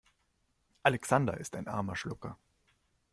Alexander ist ein armer Schlucker.